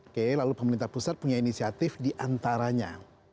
oke lalu pemerintah pusat punya inisiatif diantaranya